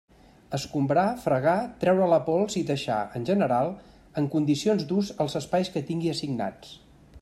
Escombrar, fregar, treure la pols i deixar, en general, en condicions d'ús els espais que tingui assignats.